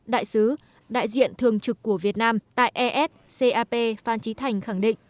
đại sứ đại diện thường trực của việt nam tại s cap phan trí thành khẳng định